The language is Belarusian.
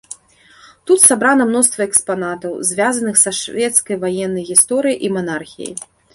Тут сабрана мноства экспанатаў, звязаных са шведскай ваеннай гісторыяй і манархіяй.